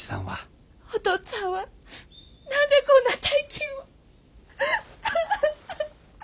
おとっつあんは何でこんな大金を。